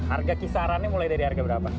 harga kisarannya mulai dari harga berapa